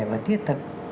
và thiết thực